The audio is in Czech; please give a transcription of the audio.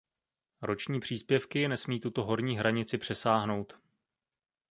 Roční příspěvky nesmí tuto horní hranici přesáhnout.